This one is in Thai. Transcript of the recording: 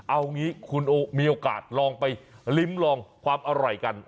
เอางี้คุณมีโอกาสลองไปลิ้มลองความอร่อยกัน